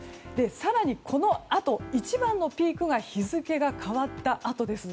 更にこのあと一番のピークが日付が変わったあとです。